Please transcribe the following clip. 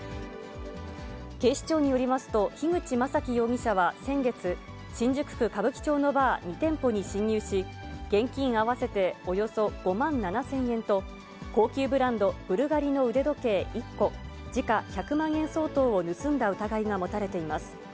警視庁によりますと、樋口将暉容疑者は先月、新宿区歌舞伎町のバー２店舗に侵入し、現金合わせておよそ５万７０００円と、高級ブランド、ブルガリの腕時計１個、時価１００万円相当を盗んだ疑いが持たれています。